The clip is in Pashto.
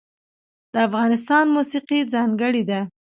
د افغانستان موسیقی ځانګړې ده